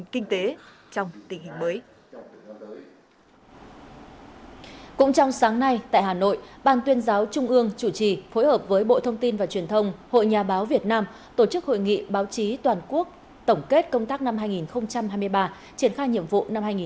cũng trong sáng nay tại hà nội ban tuyên giáo trung ương chủ trì phối hợp với bộ thông tin và truyền thông hội nhà báo việt nam tổ chức hội nghị báo chí toàn quốc tổng kết công tác năm hai nghìn hai mươi ba triển khai nhiệm vụ năm hai nghìn hai mươi bốn